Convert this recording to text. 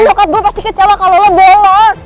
sokak gue pasti kecewa kalau lo bolos